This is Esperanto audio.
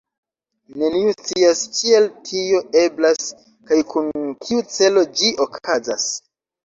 Neniu scias, kiel tio eblas kaj kun kiu celo ĝi okazas.